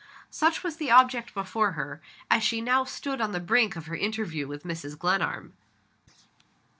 Such was the object before her, as she now stood on the brink of her interview with Mrs. Glenarm.